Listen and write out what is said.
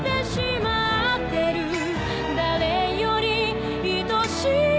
「誰より愛しい」